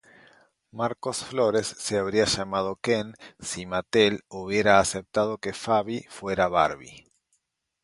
Marcos Flores se habría llamado Ken si Mattel hubiera aceptado que Faby fuera Barbie.